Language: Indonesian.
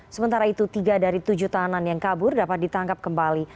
sementara itu tiga dari tujuh tahanan yang kabur dapat ditangkap kembali